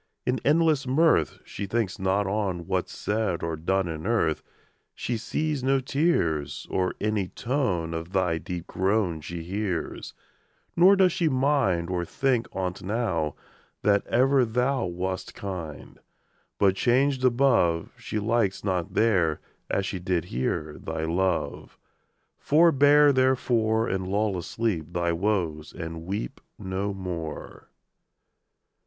In endless mirth, She thinks not on What's said or done In earth: She sees no tears, Or any tone Of thy deep groan She hears; Nor does she mind, Or think on't now, That ever thou Wast kind: But changed above, She likes not there, As she did here, Thy love. Forbear, therefore, And lull asleep Thy woes, and weep No more.